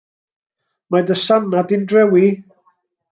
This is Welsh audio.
Mae dy sanna' di'n drewi.